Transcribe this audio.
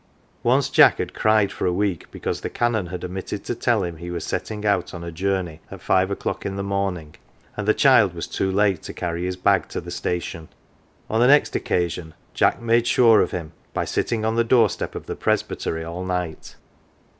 Once Jack had cried for a week because the Canon had omitted to tell him he was setting out on a journey at five o'clock in the morning, and the child was too late to carry his bag to the station. On the next occasion Jack " made sure "" of him by sitting on the doorstep of the Presbytery all night.